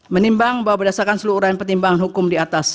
menimbang bahwa berdasarkan seluruh uraian pertimbangan hukum di atas